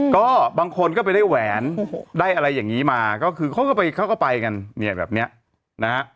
ก็บางคนก็ไปได้แหวนได้อะไรอย่างนี้มาก็คือเขาก็ไปเขาก็ไปกันเนี่ยแบบเนี้ยนะฮะ